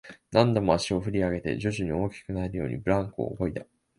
何度も足を振り上げて、徐々に大きくなるように、ブランコをこいだ